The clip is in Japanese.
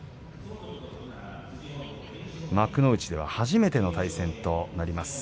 幕内では初めての対戦となります。